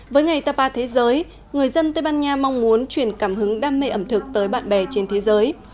với ngày tapa thế giới người dân tây ban nha mong muốn truyền cảm hứng đam mê ẩm thực tới bạn bè trên thế giới